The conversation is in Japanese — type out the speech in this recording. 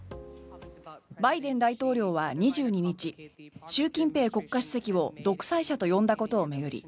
バイデン大統領は２２日習近平国家主席を独裁者と呼んだことを巡り